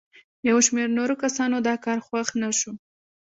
یو شمېر نورو کسانو دا کار خوښ نه شو.